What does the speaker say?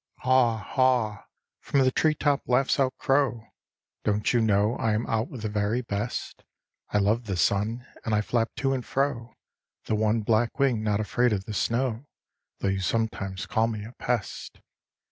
Haw! haw! from the treetop laughs out crow. "Don't you know I am out with the very best? I love the sun, and I flap to and fro, The one black wing not afraid of the snow, Though you sometimes call me a pest."